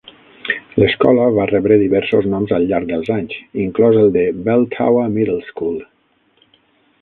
L'escola va rebre diversos noms al llarg dels anys, inclòs el de Bell Tower Middle School.